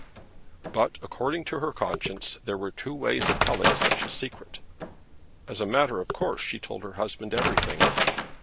But according to her conscience there were two ways of telling such a secret. As a matter of course she told her husband everything.